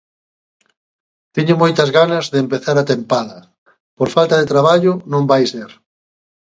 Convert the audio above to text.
Teño moitas ganas de empezar a tempada, por falta de traballo non vai ser.